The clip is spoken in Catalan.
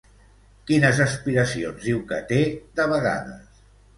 Quines aspiracions diu que té de vegades?